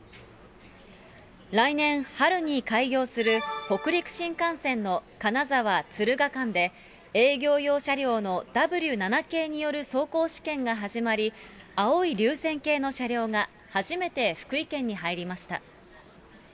来年春に開業する北陸新幹線の金沢・敦賀間で、営業用車両のＷ７系による走行試験が始まり、青い流線型の車両が初めて福井県に入りました。